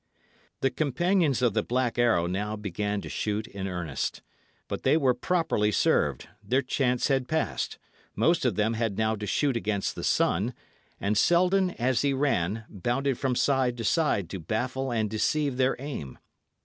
The companions of the Black Arrow now began to shoot in earnest. But they were properly served; their chance had past; most of them had now to shoot against the sun; and Selden, as he ran, bounded from side to side to baffle and deceive their aim.